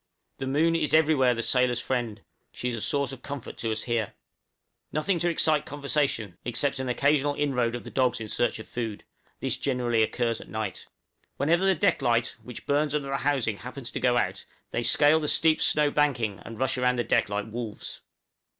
The moon is everywhere the sailor's friend, she is a source of comfort to us here. Nothing to excite conversation, except an occasional inroad of the dogs in search of food; this generally occurs at night. Whenever the deck light, which burns under the housing happens to go out, they scale the steep snow banking and rush round the deck like wolves.